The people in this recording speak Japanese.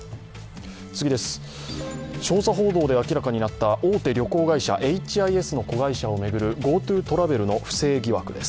調査報道で明らかになった大手旅行会社、エイチ・アイ・エスの子会社を巡るＧｏＴｏトラベルの不正疑惑です。